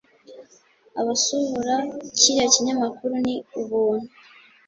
Abasohora kiriya kinyamakuru ni ubuntu